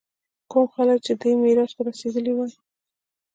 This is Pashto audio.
کوم خلک چې دې معراج ته رسېدلي وي.